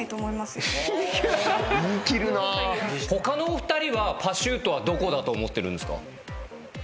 他のお二人はパシュートはどこだと思ってるんですか？